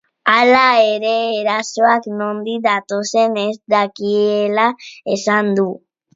Hala ere, erasoak nondik datozen ez dakiela esan du.